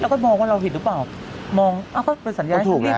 เราก็มองว่าเราผิดหรือเปล่าเอ้าก็เป็นสัญญาณรีบเดินข้าม